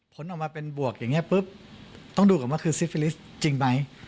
ผลออกมาเป็นบวกอย่างนี้ต้องดูหรือว่าคือซิฟิลิสจริงมั้ย